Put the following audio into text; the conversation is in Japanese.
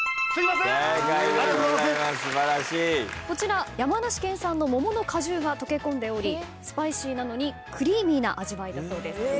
こちら山梨県産の桃の果汁が溶け込んでおりスパイシーなのにクリーミーな味わいだそうです。